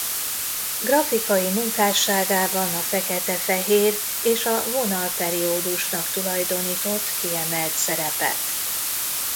Grafikai munkásságában a fekete-fehér és a vonal periódusnak tulajdonított kiemelt szerepet.